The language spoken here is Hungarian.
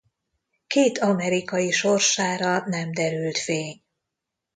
Két amerikai sorsára nem derült fény.